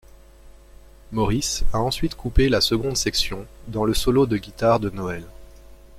Morris a ensuite coupé la seconde section dans le solo de guitare de Noel.